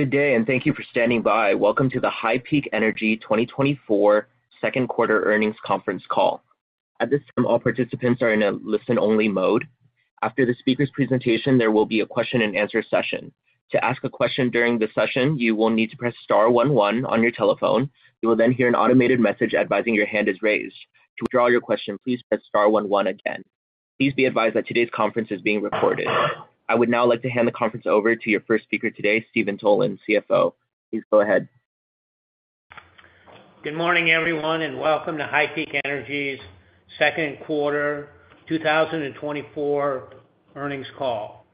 Good day, and thank you for standing by. Welcome to the HighPeak Energy 2024 Second Quarter Earnings Conference Call. At this time, all participants are in a listen-only mode. After the speaker's presentation, there will be a question-and-answer session. To ask a question during the session, you will need to press star one one on your telephone. You will then hear an automated message advising your hand is raised. To withdraw your question, please press star one one again. Please be advised that today's conference is being recorded. I would now like to hand the conference over to your first speaker today, Steven Tholen, CFO. Please go ahead. Good morning, everyone, and welcome to HighPeak Energy's Second Quarter 2024 Earnings Call.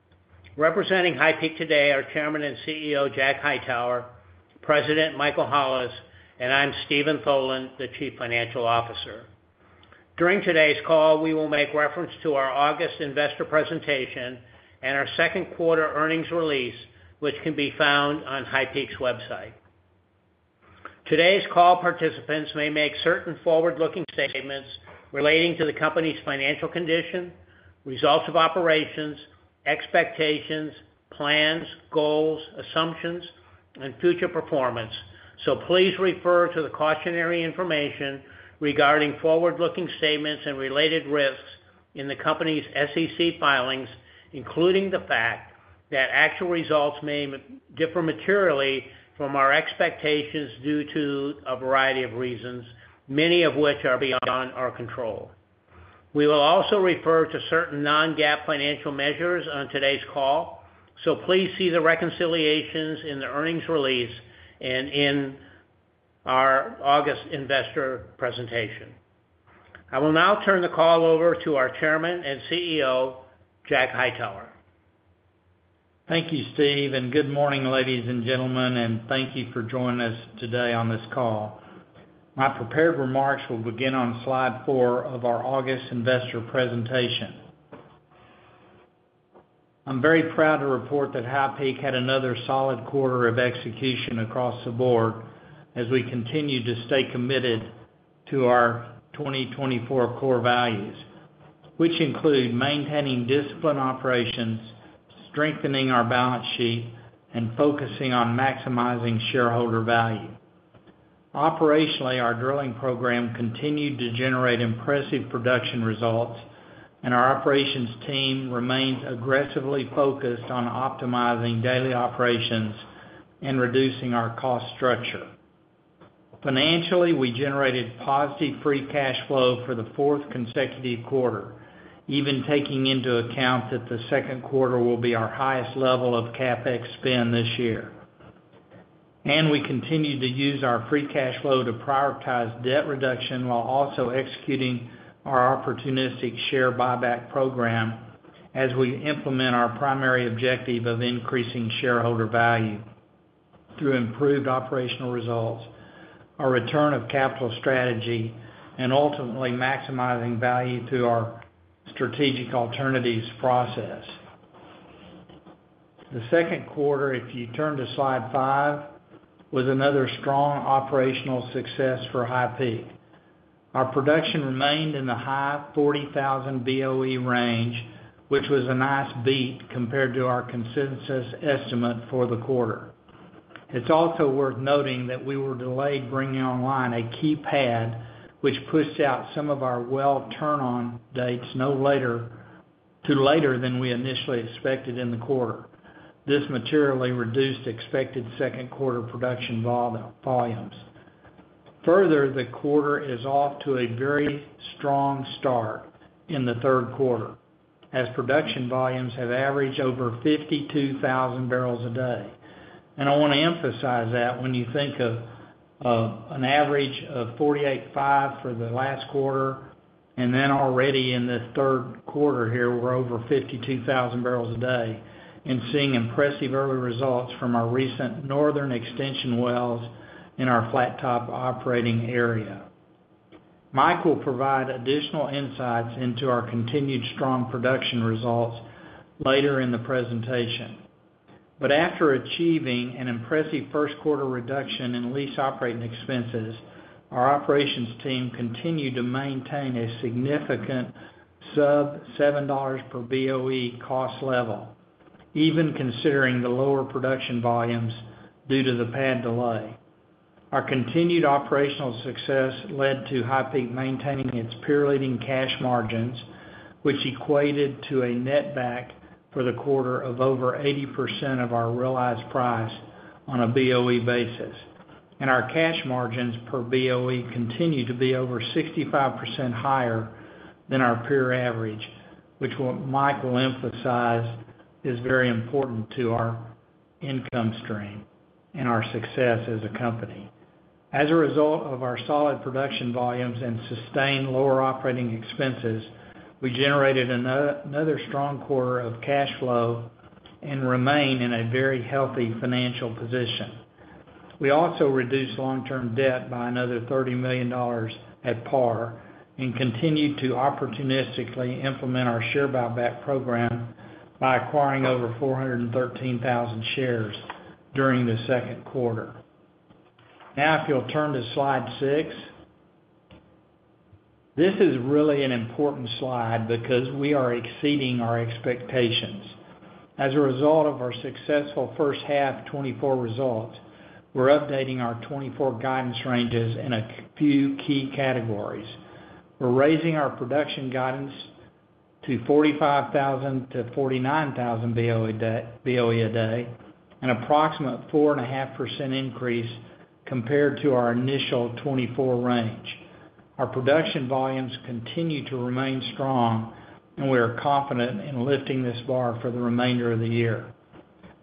Representing HighPeak today are Chairman and CEO, Jack Hightower, President Michael Hollis, and I'm Steven Tholen, the Chief Financial Officer. During today's call, we will make reference to our August investor presentation and our second quarter earnings release, which can be found on HighPeak's website. Today's call participants may make certain forward-looking statements relating to the company's financial condition, results of operations, expectations, plans, goals, assumptions, and future performance. So please refer to the cautionary information regarding forward-looking statements and related risks in the company's SEC filings, including the fact that actual results may differ materially from our expectations due to a variety of reasons, many of which are beyond our control. We will also refer to certain Non-GAAP financial measures on today's call, so please see the reconciliations in the earnings release and in our August investor presentation. I will now turn the call over to our Chairman and CEO, Jack Hightower. Thank you, Steve, and good morning, ladies and gentlemen, and thank you for joining us today on this call. My prepared remarks will begin on slide 4 of our August investor presentation. I'm very proud to report that HighPeak had another solid quarter of execution across the board as we continue to stay committed to our 2024 core values, which include maintaining disciplined operations, strengthening our balance sheet, and focusing on maximizing shareholder value. Operationally, our drilling program continued to generate impressive production results, and our operations team remains aggressively focused on optimizing daily operations and reducing our cost structure. Financially, we generated positive free cash flow for the fourth consecutive quarter, even taking into account that the second quarter will be our highest level of CapEx spend this year. We continue to use our free cash flow to prioritize debt reduction while also executing our opportunistic share buyback program, as we implement our primary objective of increasing shareholder value through improved operational results, our return of capital strategy, and ultimately maximizing value through our strategic alternatives process. The second quarter, if you turn to slide 5, was another strong operational success for HighPeak. Our production remained in the high 40,000 BOE range, which was a nice beat compared to our consensus estimate for the quarter. It's also worth noting that we were delayed bringing online a key pad, which pushed out some of our well turn-on dates to later than we initially expected in the quarter. This materially reduced expected second quarter production volumes. Further, the quarter is off to a very strong start in the third quarter, as production volumes have averaged over 52,000 barrels a day. And I want to emphasize that when you think of an average of 48.5 for the last quarter, and then already in this third quarter here, we're over 52,000 barrels a day and seeing impressive early results from our recent northern extension wells in our Flat Top operating area. Mike will provide additional insights into our continued strong production results later in the presentation. But after achieving an impressive first quarter reduction in lease operating expenses, our operations team continued to maintain a significant sub-$7 per BOE cost level, even considering the lower production volumes due to the pad delay. Our continued operational success led to HighPeak maintaining its peer-leading cash margins, which equated to a netback for the quarter of over 80% of our realized price on a BOE basis. Our cash margins per BOE continue to be over 65% higher than our peer average, which what Mike will emphasize is very important to our income stream and our success as a company. As a result of our solid production volumes and sustained lower operating expenses, we generated another strong quarter of cash flow and remain in a very healthy financial position. We also reduced long-term debt by another $30 million at par and continued to opportunistically implement our share buyback program by acquiring over 413,000 shares during the second quarter. Now, if you'll turn to slide 6. This is really an important slide because we are exceeding our expectations. As a result of our successful first half 2024 results, we're updating our 2024 guidance ranges in a few key categories. We're raising our production guidance to 45,000 to 49,000 BOE a day, an approximate 4.5% increase compared to our initial 2024 range. Our production volumes continue to remain strong, and we are confident in lifting this bar for the remainder of the year.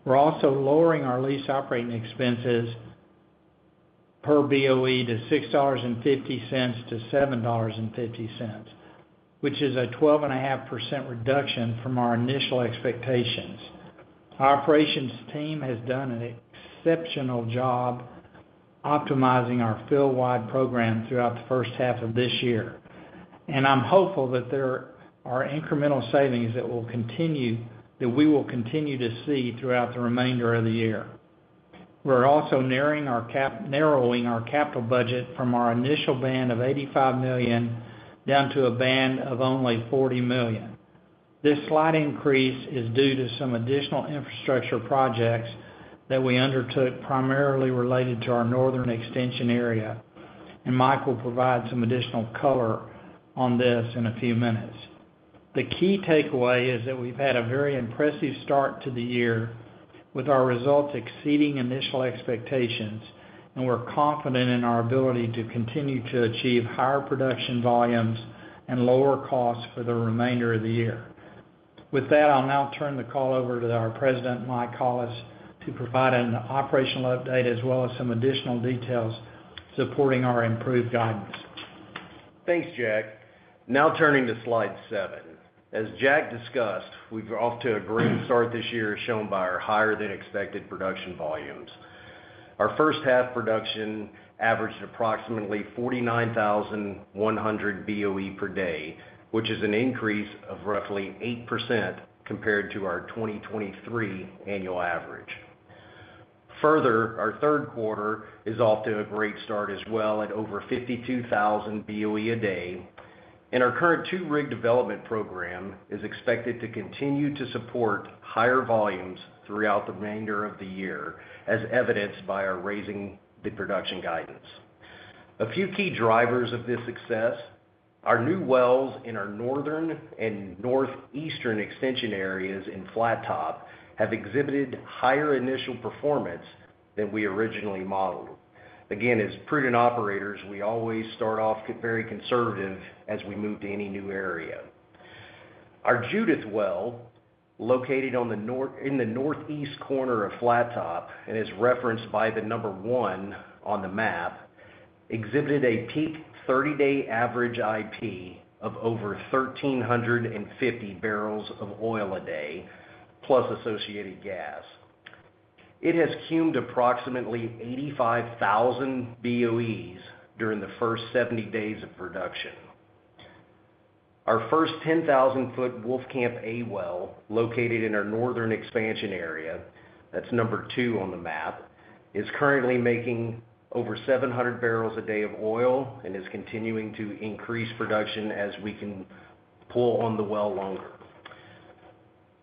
We're also lowering our lease operating expenses per BOE to $6.50-$7.50, which is a 12.5% reduction from our initial expectations. Our operations team has done an exceptional job optimizing our field-wide program throughout the first half of this year, and I'm hopeful that there are incremental savings that we will continue to see throughout the remainder of the year. We're also narrowing our capital budget from our initial band of $85 million, down to a band of only $40 million. This slight increase is due to some additional infrastructure projects that we undertook, primarily related to our northern extension area, and Mike will provide some additional color on this in a few minutes. The key takeaway is that we've had a very impressive start to the year, with our results exceeding initial expectations, and we're confident in our ability to continue to achieve higher production volumes and lower costs for the remainder of the year. With that, I'll now turn the call over to our President, Mike Hollis, to provide an operational update, as well as some additional details supporting our improved guidance. Thanks, Jack. Now turning to Slide 7. As Jack discussed, we're off to a great start this year, as shown by our higher-than-expected production volumes. Our first half production averaged approximately 49,100 BOE per day, which is an increase of roughly 8% compared to our 2023 annual average. Further, our third quarter is off to a great start as well, at over 52,000 BOE a day, and our current 2-rig development program is expected to continue to support higher volumes throughout the remainder of the year, as evidenced by our raising the production guidance. A few key drivers of this success, our new wells in our northern and northeastern extension areas in Flat Top have exhibited higher initial performance than we originally modeled. Again, as prudent operators, we always start off very conservative as we move to any new area. Our Judith well, located in the northeast corner of Flat Top and is referenced by the number 1 on the map, exhibited a peak 30-day average IP of over 1,350 barrels of oil a day, plus associated gas. It has cummed approximately 85,000 BOEs during the first 70 days of production. Our first 10,000-foot Wolfcamp A well, located in our northern expansion area, that's number 2 on the map, is currently making over 700 barrels a day of oil and is continuing to increase production as we can pull on the well longer.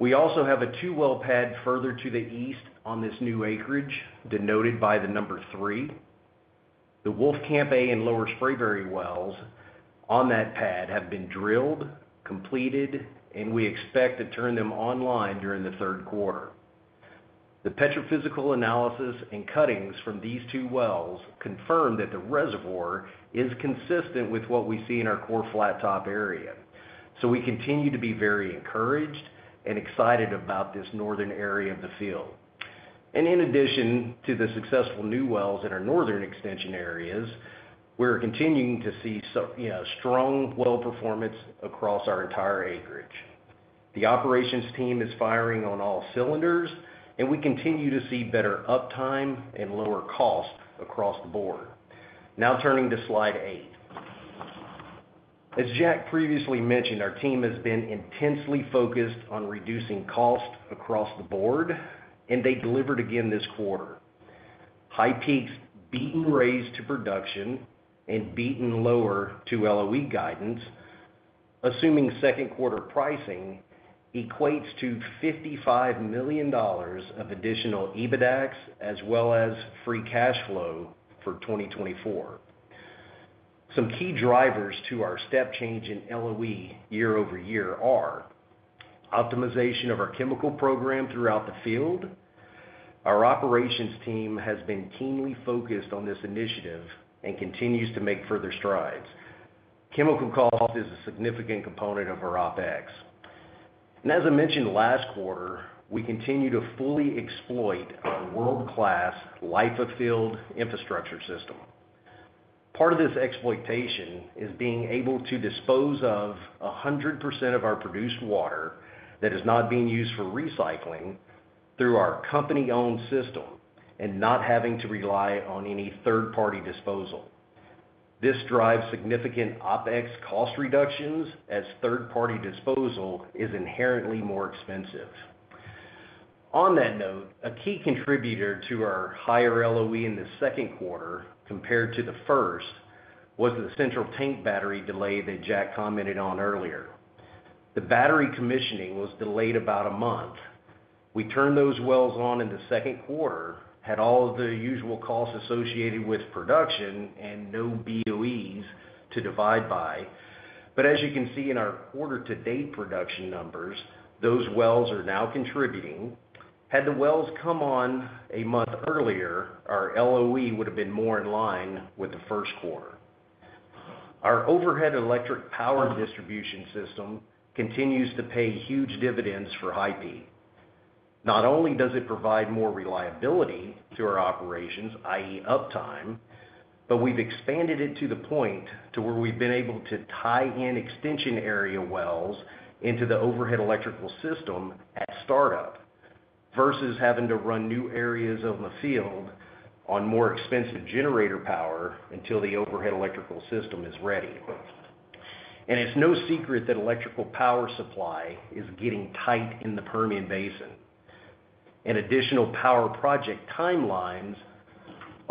We also have a 2-well pad further to the east on this new acreage, denoted by the number 3. The Wolfcamp A and Lower Spraberry wells on that pad have been drilled, completed, and we expect to turn them online during the third quarter. The petrophysical analysis and cuttings from these two wells confirm that the reservoir is consistent with what we see in our core Flat Top area. So we continue to be very encouraged and excited about this northern area of the field. And in addition to the successful new wells in our northern extension areas, we're continuing to see so, you know, strong well performance across our entire acreage. The operations team is firing on all cylinders, and we continue to see better uptime and lower costs across the board. Now turning to Slide 8. As Jack previously mentioned, our team has been intensely focused on reducing costs across the board, and they delivered again this quarter. HighPeak's beat and raised production, and beat and lowered LOE guidance, assuming second quarter pricing equates to $55 million of additional EBITDAX as well as free cash flow for 2024. Some key drivers to our step change in LOE year-over-year are: optimization of our chemical program throughout the field. Our operations team has been keenly focused on this initiative and continues to make further strides. Chemical cost is a significant component of our OpEx. And as I mentioned last quarter, we continue to fully exploit our world-class life-of-field infrastructure system. Part of this exploitation is being able to dispose of 100% of our produced water that is not being used for recycling through our company-owned system and not having to rely on any third-party disposal. This drives significant OpEx cost reductions, as third-party disposal is inherently more expensive. On that note, a key contributor to our higher LOE in the second quarter compared to the first, was the central tank battery delay that Jack commented on earlier. The battery commissioning was delayed about a month. We turned those wells on in the second quarter, had all of the usual costs associated with production and no BOEs to divide by. But as you can see in our quarter-to-date production numbers, those wells are now contributing. Had the wells come on a month earlier, our LOE would have been more in line with the first quarter. Our overhead electric power distribution system continues to pay huge dividends for HighPeak. Not only does it provide more reliability to our operations, i.e., uptime, but we've expanded it to the point to where we've been able to tie in extension area wells into the overhead electrical system at startup, versus having to run new areas of the field on more expensive generator power until the overhead electrical system is ready. It's no secret that electrical power supply is getting tight in the Permian Basin, and additional power project timelines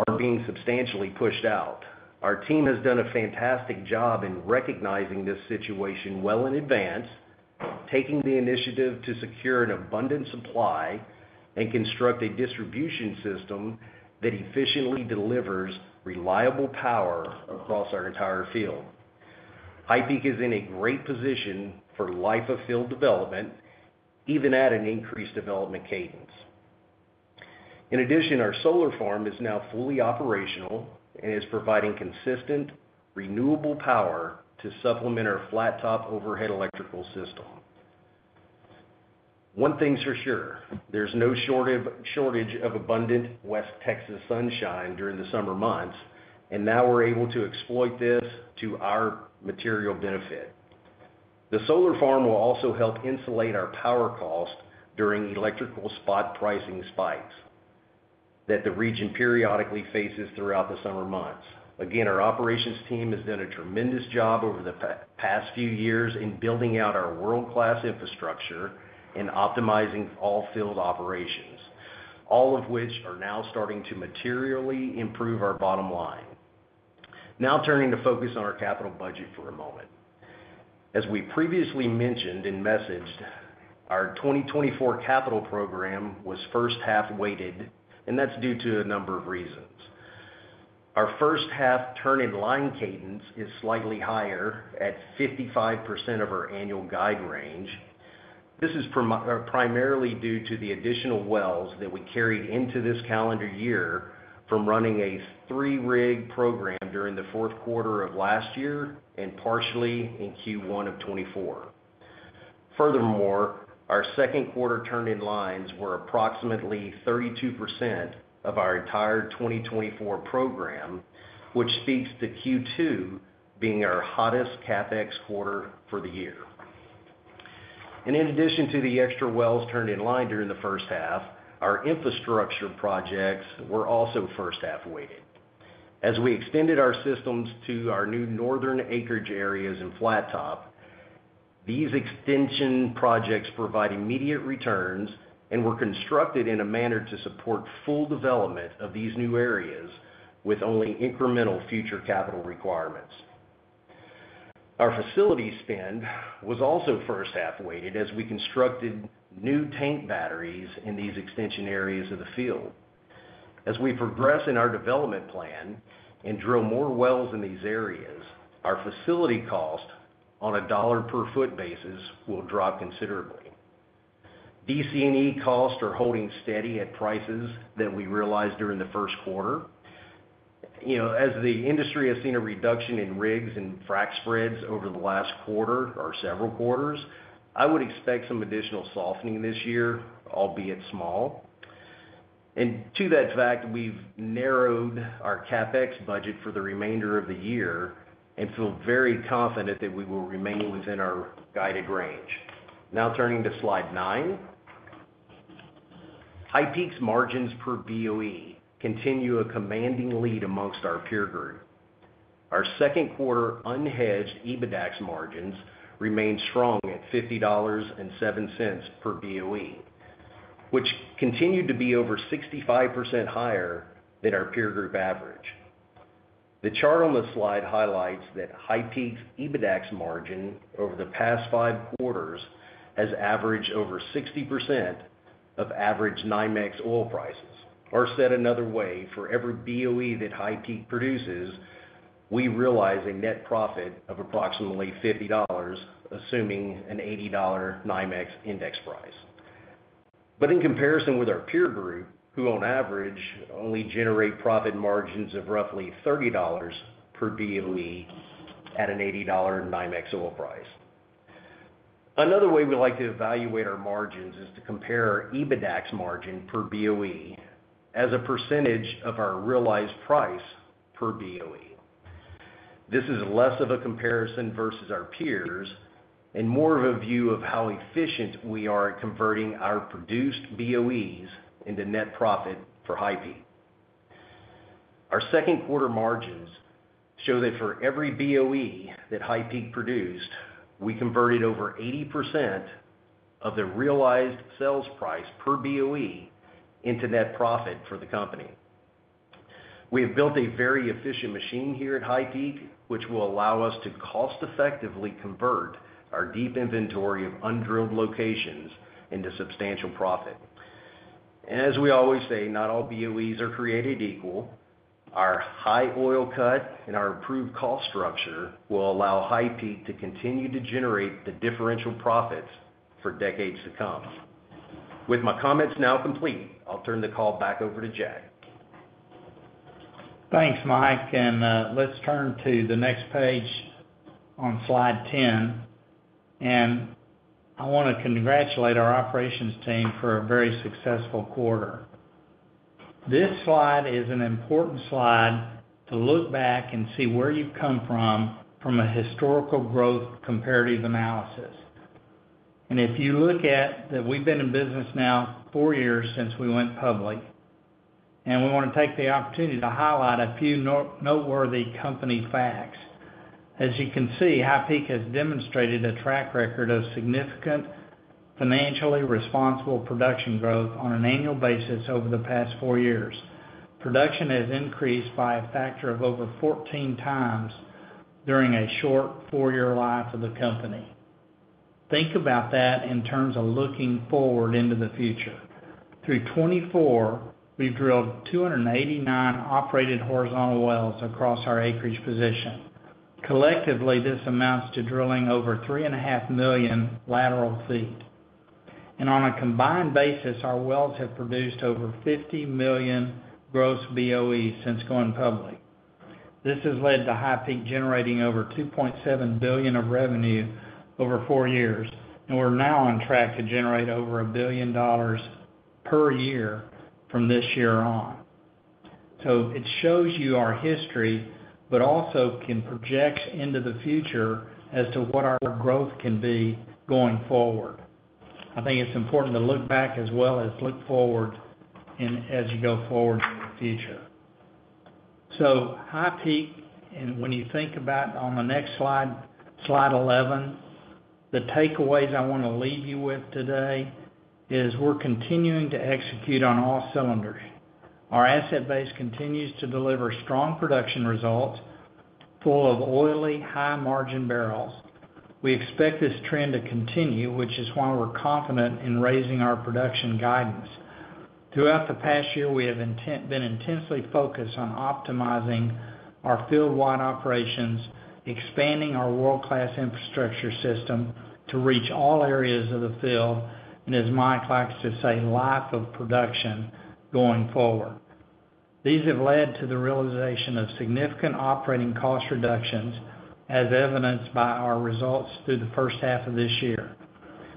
are being substantially pushed out. Our team has done a fantastic job in recognizing this situation well in advance, taking the initiative to secure an abundant supply and construct a distribution system that efficiently delivers reliable power across our entire field. HighPeak is in a great position for life of field development, even at an increased development cadence. In addition, our solar farm is now fully operational and is providing consistent, renewable power to supplement our Flat Top overhead electrical system. One thing's for sure, there's no shortage of abundant West Texas sunshine during the summer months, and now we're able to exploit this to our material benefit. The solar farm will also help insulate our power cost during electrical spot pricing spikes that the region periodically faces throughout the summer months. Again, our operations team has done a tremendous job over the past few years in building out our world-class infrastructure and optimizing all field operations, all of which are now starting to materially improve our bottom line. Now, turning to focus on our capital budget for a moment. As we previously mentioned and messaged, our 2024 capital program was first half-weighted, and that's due to a number of reasons. Our first half turn-in-line cadence is slightly higher at 55% of our annual guide range. This is primarily due to the additional wells that we carried into this calendar year from running a 3-rig program during the fourth quarter of last year and partially in Q1 of 2024. Furthermore, our second quarter turn-in-lines were approximately 32% of our entire 2024 program, which speaks to Q2 being our hottest CapEx quarter for the year. And in addition to the extra wells turned in line during the first half, our infrastructure projects were also first half-weighted. As we extended our systems to our new northern acreage areas in Flat Top, these extension projects provide immediate returns and were constructed in a manner to support full development of these new areas with only incremental future capital requirements. Our facility spend was also first half-weighted as we constructed new tank batteries in these extension areas of the field. As we progress in our development plan and drill more wells in these areas, our facility cost on a dollar-per-foot basis will drop considerably. DC&E costs are holding steady at prices that we realized during the first quarter. You know, as the industry has seen a reduction in rigs and frack spreads over the last quarter or several quarters, I would expect some additional softening this year, albeit small. To that fact, we've narrowed our CapEx budget for the remainder of the year and feel very confident that we will remain within our guided range. Now, turning to Slide 9. HighPeak's margins per BOE continue a commanding lead amongst our peer group. Our second quarter unhedged EBITDAX margins remained strong at $50.07 per BOE, which continued to be over 65% higher than our peer group average. The chart on the slide highlights that HighPeak's EBITDAX margin over the past five quarters has averaged over 60% of average NYMEX oil prices, or said another way, for every BOE that HighPeak produces, we realize a net profit of approximately $50, assuming an $80 NYMEX index price. But in comparison with our peer group, who on average, only generate profit margins of roughly $30 per BOE at an $80 NYMEX oil price. Another way we like to evaluate our margins is to compare our EBITDAX margin per BOE as a percentage of our realized price per BOE. This is less of a comparison versus our peers, and more of a view of how efficient we are at converting our produced BOEs into net profit for HighPeak.... Our second quarter margins show that for every BOE that HighPeak produced, we converted over 80% of the realized sales price per BOE into net profit for the company. We have built a very efficient machine here at HighPeak, which will allow us to cost effectively convert our deep inventory of undrilled locations into substantial profit. And as we always say, not all BOEs are created equal. Our high oil cut and our improved cost structure will allow HighPeak to continue to generate the differential profits for decades to come. With my comments now complete, I'll turn the call back over to Jack. Thanks, Mike, and let's turn to the next page on slide 10, and I want to congratulate our operations team for a very successful quarter. This slide is an important slide to look back and see where you've come from, from a historical growth comparative analysis. If you look at that, we've been in business now four years since we went public, and we want to take the opportunity to highlight a few noteworthy company facts. As you can see, HighPeak has demonstrated a track record of significant, financially responsible production growth on an annual basis over the past four years. Production has increased by a factor of over 14 times during a short four-year life of the company. Think about that in terms of looking forward into the future. Through 2024, we've drilled 289 operated horizontal wells across our acreage position. Collectively, this amounts to drilling over 3.5 million lateral feet. On a combined basis, our wells have produced over 50 million gross BOEs since going public. This has led to HighPeak generating over $2.7 billion of revenue over 4 years, and we're now on track to generate over $1 billion per year from this year on. It shows you our history, but also can project into the future as to what our growth can be going forward. I think it's important to look back as well as look forward, as you go forward in the future. HighPeak, and when you think about on the next slide, slide 11, the takeaways I want to leave you with today is we're continuing to execute on all cylinders. Our asset base continues to deliver strong production results, full of oily, high-margin barrels. We expect this trend to continue, which is why we're confident in raising our production guidance. Throughout the past year, we have been intensely focused on optimizing our field-wide operations, expanding our world-class infrastructure system to reach all areas of the field, and as Mike likes to say, life of production going forward. These have led to the realization of significant operating cost reductions, as evidenced by our results through the first half of this year.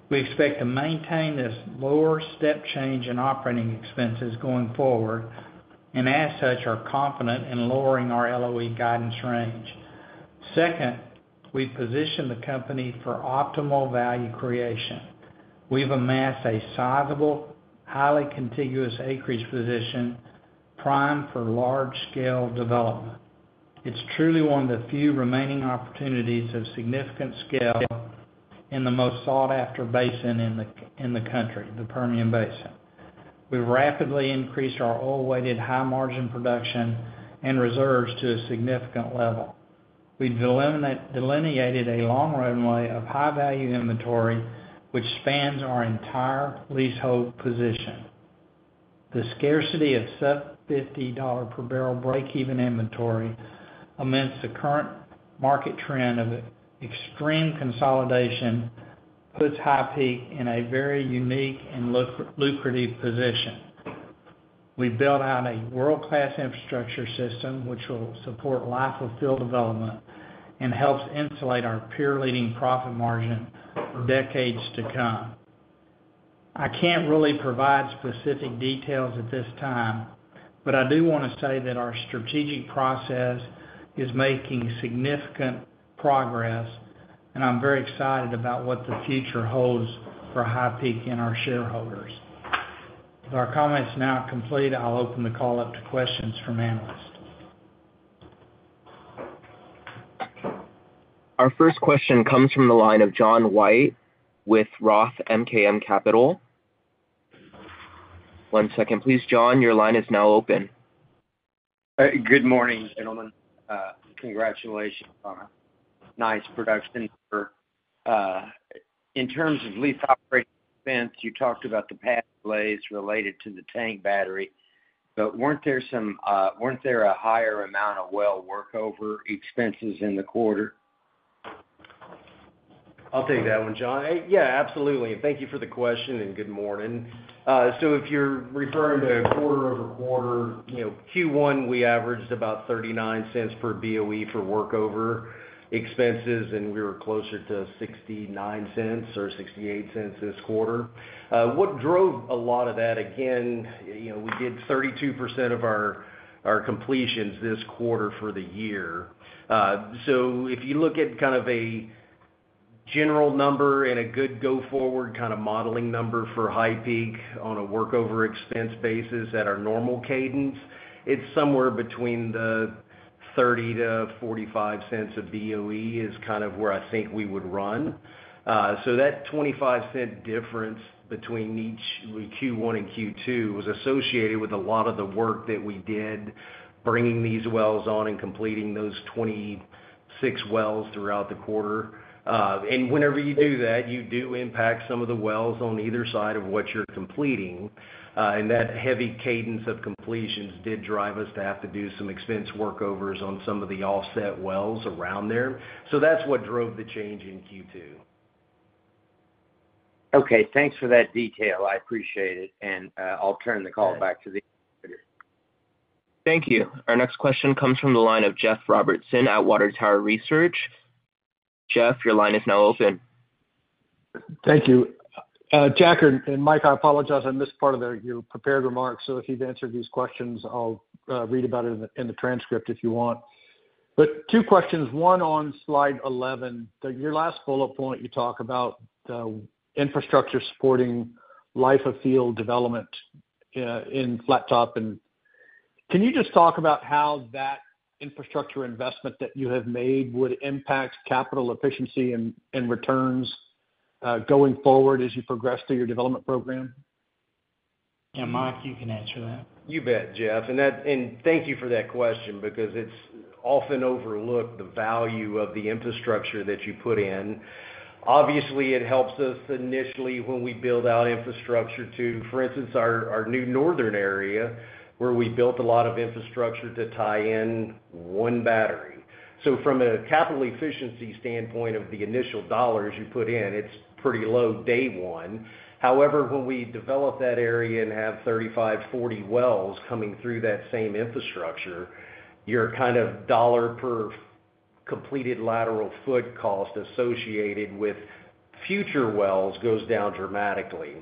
We expect to maintain this lower step change in operating expenses going forward, and as such, are confident in lowering our LOE guidance range. Second, we position the company for optimal value creation. We've amassed a sizable, highly contiguous acreage position, primed for large-scale development. It's truly one of the few remaining opportunities of significant scale in the most sought-after basin in the country, the Permian Basin. We've rapidly increased our oil-weighted, high-margin production and reserves to a significant level. We've delineated a long runway of high-value inventory, which spans our entire leasehold position. The scarcity of sub-$50 per barrel break-even inventory amidst the current market trend of extreme consolidation puts HighPeak in a very unique and lucrative position. We built out a world-class infrastructure system, which will support life of field development and helps insulate our peer-leading profit margin for decades to come. I can't really provide specific details at this time, but I do want to say that our strategic process is making significant progress, and I'm very excited about what the future holds for HighPeak and our shareholders. With our comments now complete, I'll open the call up to questions from analysts. Our first question comes from the line of John White with Roth MKM. One second, please, John. Your line is now open. Good morning, gentlemen. Congratulations on a nice production number. In terms of lease operating expense, you talked about the past delays related to the tank battery, but weren't there some, weren't there a higher amount of well workover expenses in the quarter? I'll take that one, John. Yeah, absolutely. Thank you for the question, and good morning. So if you're referring to quarter-over-quarter, you know, Q1, we averaged about $0.39 per BOE for workover expenses, and we were closer to $0.69 or $0.68 this quarter. What drove a lot of that, again, you know, we did 32% of our, our completions this quarter for the year. So if you look at kind of a general number and a good go forward kind of modeling number for HighPeak on a workover expense basis at our normal cadence, it's somewhere between $0.30-$0.45 per BOE is kind of where I think we would run. So that $0.25 difference between each, Q1 and Q2, was associated with a lot of the work that we did, bringing these wells on and completing those 26 wells throughout the quarter. And whenever you do that, you do impact some of the wells on either side of what you're completing. And that heavy cadence of completions did drive us to have to do some expense workovers on some of the offset wells around there. So that's what drove the change in Q2. Okay. Thanks for that detail. I appreciate it, and, I'll turn the call back to the operator. Thank you. Our next question comes from the line of Jeff Robertson at Water Tower Research. Jeff, your line is now open. Thank you. Jack and Mike, I apologize. I missed part of your prepared remarks, so if you've answered these questions, I'll read about it in the transcript if you want. But two questions. One, on slide 11, your last bullet point, you talk about infrastructure supporting life of field development in Flat Top. And can you just talk about how that infrastructure investment that you have made would impact capital efficiency and returns going forward as you progress through your development program? Yeah, Mike, you can answer that. You bet, Jeff, and that and thank you for that question because it's often overlooked, the value of the infrastructure that you put in. Obviously, it helps us initially when we build out infrastructure to, for instance, our new northern area, where we built a lot of infrastructure to tie in one battery. So from a capital efficiency standpoint of the initial dollars you put in, it's pretty low, day one. However, when we develop that area and have 35, 40 wells coming through that same infrastructure, your kind of dollar per completed lateral foot cost associated with future wells goes down dramatically.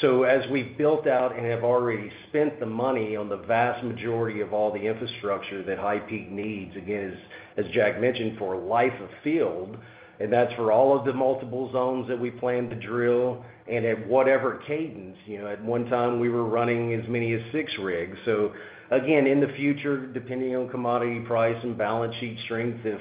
So as we built out and have already spent the money on the vast majority of all the infrastructure that HighPeak needs, again, as Jack mentioned, for life of field, and that's for all of the multiple zones that we plan to drill and at whatever cadence. You know, at one time, we were running as many as six rigs. So again, in the future, depending on commodity price and balance sheet strength, if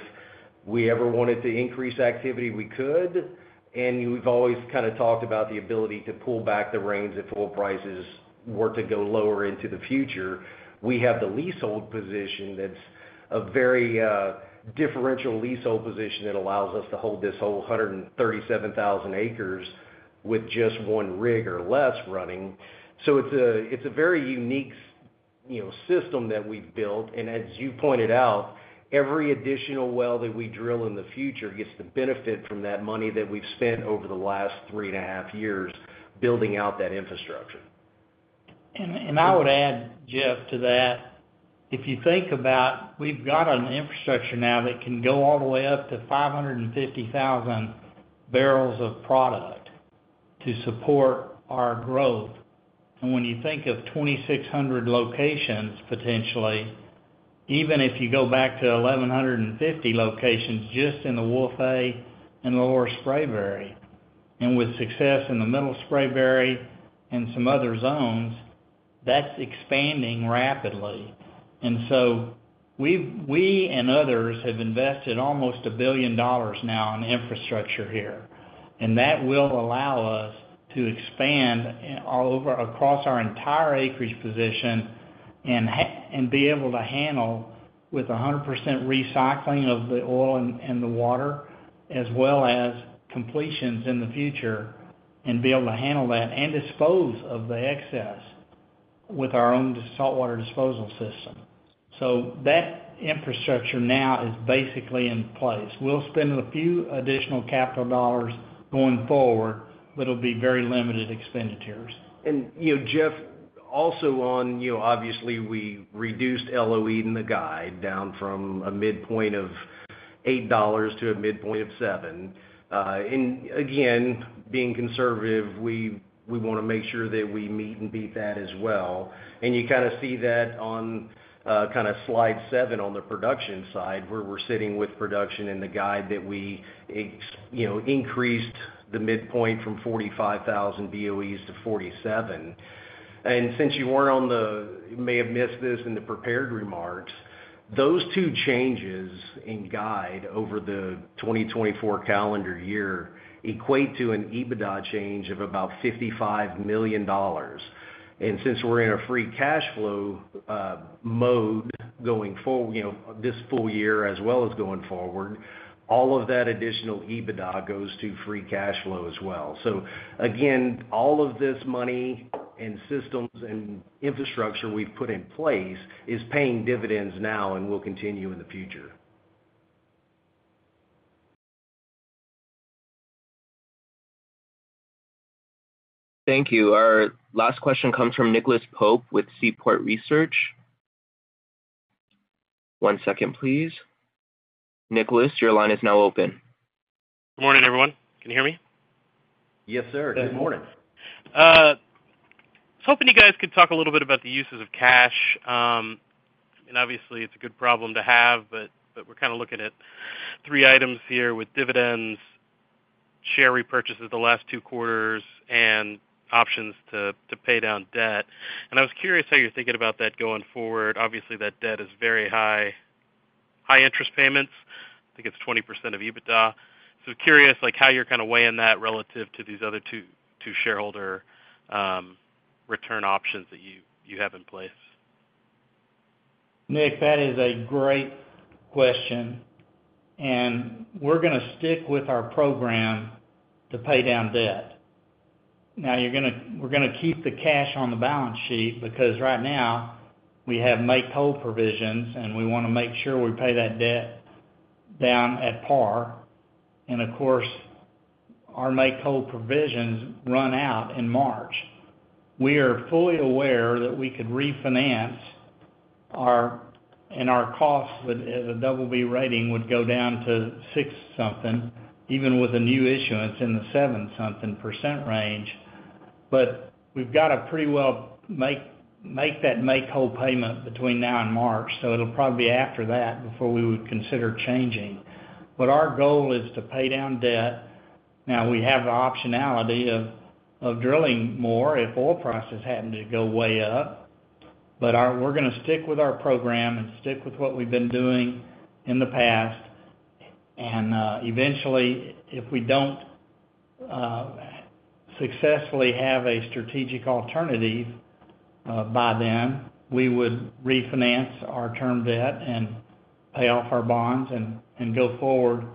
we ever wanted to increase activity, we could. And we've always kind of talked about the ability to pull back the reins if oil prices were to go lower into the future. We have the leasehold position that's a very differential leasehold position that allows us to hold this whole 137,000 acres with just one rig or less running. It's a very unique, you know, system that we've built, and as you pointed out, every additional well that we drill in the future gets the benefit from that money that we've spent over the last 3.5 years building out that infrastructure. And I would add, Jeff, to that, if you think about, we've got an infrastructure now that can go all the way up to 550,000 barrels of product to support our growth. And when you think of 2,600 locations, potentially, even if you go back to 1,150 locations just in the Wolf A and Lower Spraberry, and with success in the Middle Spraberry and some other zones, that's expanding rapidly. And so we and others have invested almost $1 billion now in infrastructure here, and that will allow us to expand all over across our entire acreage position and be able to handle with 100% recycling of the oil and the water, as well as completions in the future, and be able to handle that and dispose of the excess with our own saltwater disposal system. So that infrastructure now is basically in place. We'll spend a few additional capital dollars going forward, but it'll be very limited expenditures. And, you know, Jeff, also on, you know, obviously, we reduced LOE in the guide down from a midpoint of $8 to a midpoint of $7. And again, being conservative, we wanna make sure that we meet and beat that as well. And you kind of see that on kind of slide seven on the production side, where we're sitting with production in the guide that we you know, increased the midpoint from 45,000 BOEs to 47,000. And since you weren't on the... You may have missed this in the prepared remarks, those two changes in guide over the 2024 calendar year equate to an EBITDA change of about $55 million. Since we're in a free cash flow mode, going forward, you know, this full year, as well as going forward, all of that additional EBITDA goes to free cash flow as well. So again, all of this money and systems and infrastructure we've put in place is paying dividends now and will continue in the future. Thank you. Our last question comes from Nicholas Pope with Seaport Research. One second, please. Nicholas, your line is now open. Good morning, everyone. Can you hear me? Yes, sir. Good morning. I was hoping you guys could talk a little bit about the uses of cash. And obviously, it's a good problem to have, but we're kinda looking at three items here with dividends, share repurchases the last two quarters, and options to pay down debt. And I was curious how you're thinking about that going forward. Obviously, that debt is very high. High interest payments. I think it's 20% of EBITDA. So curious, like, how you're kinda weighing that relative to these other two shareholder return options that you have in place. Nick, that is a great question, and we're gonna stick with our program to pay down debt. Now, we're gonna keep the cash on the balance sheet, because right now, we have make-whole provisions, and we wanna make sure we pay that debt down at par. And of course, our make-whole provisions run out in March. We are fully aware that we could refinance our, and our cost would, as a double B rating, would go down to six something, even with a new issuance in the seven-something percent range. But we've got to pretty well make that make-whole payment between now and March, so it'll probably be after that before we would consider changing. But our goal is to pay down debt. Now, we have the optionality of drilling more if oil prices happen to go way up, but we're gonna stick with our program and stick with what we've been doing in the past. And eventually, if we don't successfully have a strategic alternative by then, we would refinance our term debt and pay off our bonds and go forward.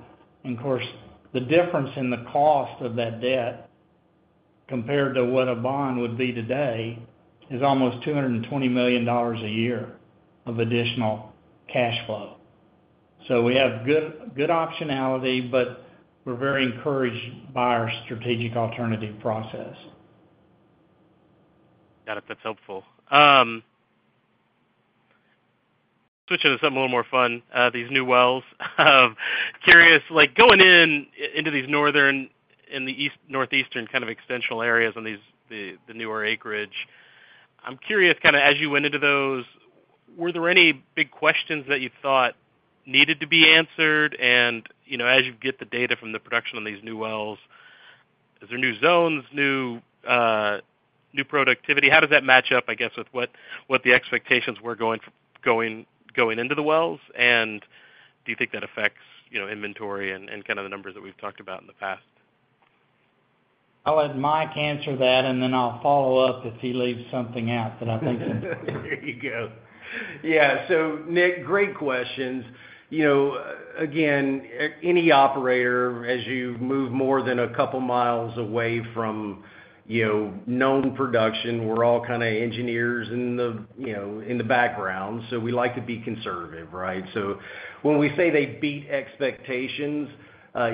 And of course, the difference in the cost of that debt, compared to what a bond would be today, is almost $220 million a year of additional cash flow. So we have good, good optionality, but we're very encouraged by our strategic alternative process. Got it, that's helpful. Switching to something a little more fun, these new wells. Curious, like, going in, into these northern and the northeastern kind of extensional areas on these, the newer acreage. I'm curious, kinda, as you went into those, were there any big questions that you thought needed to be answered? And, you know, as you get the data from the production on these new wells, is there new zones, new, new productivity? How does that match up, I guess, with what the expectations were going into the wells? And do you think that affects, you know, inventory and, kinda the numbers that we've talked about in the past? I'll let Mike answer that, and then I'll follow up if he leaves something out, but I think- There you go. Yeah, so Nick, great questions. You know, again, any operator, as you move more than a couple miles away from, you know, known production, we're all kinda engineers in the, you know, in the background, so we like to be conservative, right? So when we say they beat expectations,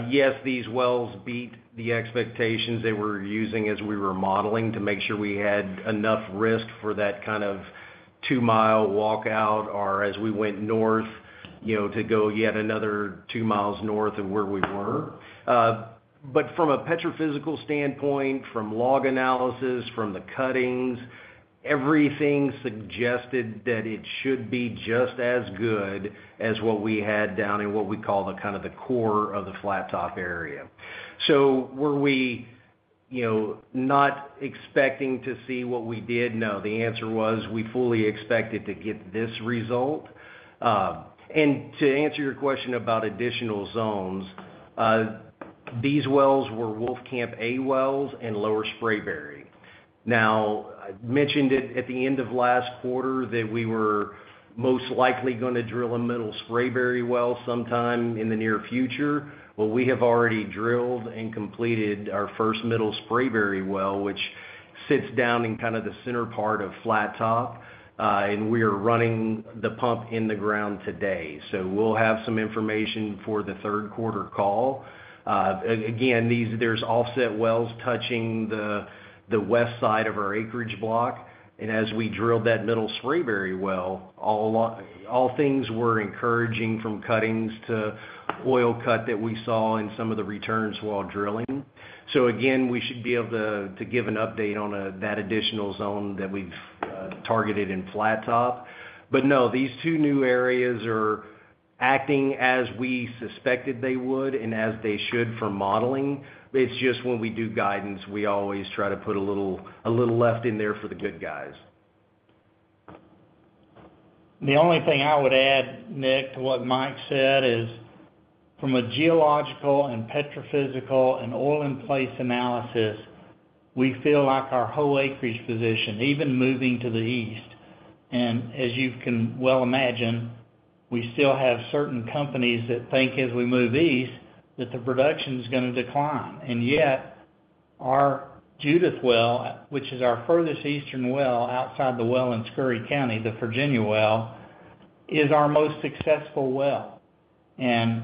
yes, these wells beat the expectations that we were using as we were modeling to make sure we had enough risk for that kind of two-mile walkout, or as we went north, you know, to go yet another two miles north of where we were. But from a petrophysical standpoint, from log analysis, from the cuttings, everything suggested that it should be just as good as what we had down in what we call the kind of the core of the Flat Top area. So were we, you know, not expecting to see what we did? No, the answer was we fully expected to get this result. And to answer your question about additional zones, these wells were Wolfcamp A wells and Lower Spraberry. Now, I mentioned it at the end of last quarter that we were most likely gonna drill a Middle Spraberry well sometime in the near future. Well, we have already drilled and completed our first Middle Spraberry well, which sits down in kinda the center part of Flat Top, and we are running the pump in the ground today. So we'll have some information for the third quarter call. Again, these. There's offset wells touching the west side of our acreage block. And as we drilled that Middle Spraberry well, all things were encouraging, from cuttings to oil cut that we saw in some of the returns while drilling. So again, we should be able to give an update on that additional zone that we've targeted in Flat Top. But no, these two new areas are acting as we suspected they would and as they should for modeling. It's just when we do guidance, we always try to put a little left in there for the good guys. The only thing I would add, Nick, to what Mike said is, from a geological and petrophysical and oil in place analysis, we feel like our whole acreage position, even moving to the east. And as you can well imagine, we still have certain companies that think as we move east, that the production is gonna decline. And yet, our Judith well, which is our furthest eastern well outside the well in Scurry County, the Virginia well, is our most successful well. And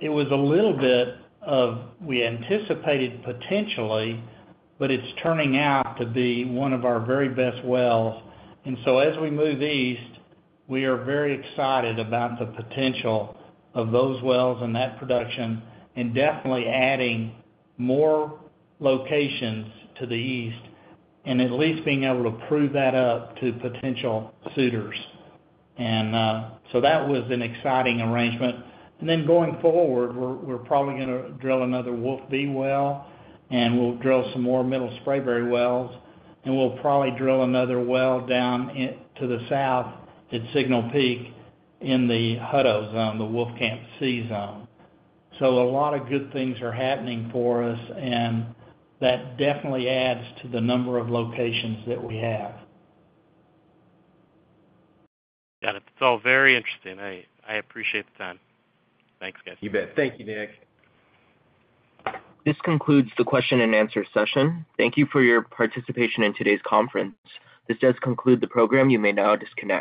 it was a little bit of... We anticipated potentially, but it's turning out to be one of our very best wells. And so as we move east, we are very excited about the potential of those wells and that production, and definitely adding more locations to the east, and at least being able to prove that up to potential suitors. So that was an exciting arrangement. Then going forward, we're probably gonna drill another Wolf B well, and we'll drill some more Middle Spraberry wells, and we'll probably drill another well down into the south at Signal Peak in the Hunton zone, the Wolfcamp C zone. So a lot of good things are happening for us, and that definitely adds to the number of locations that we have. Got it. It's all very interesting. I, I appreciate the time. Thanks, guys. You bet. Thank you, Nick. This concludes the question and answer session. Thank you for your participation in today's conference. This does conclude the program. You may now disconnect.